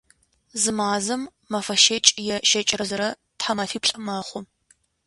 Зы мазэр мэфэ щэкӏ е щэкӏырэ зырэ, тхьэмэфиплӏ мэхъу.